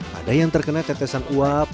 pada yang terkena tetesan uap